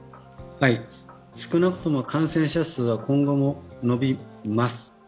少なくとも感染者数は今後も伸びます。